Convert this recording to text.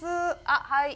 あっはい。